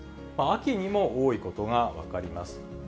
秋にも多いことが分かります。